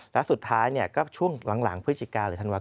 แล้วสุดท้ายก็ช่วงหลังพฤศจิกาหรือธันวาค